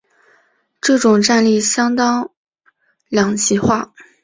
这种战力相当两极化。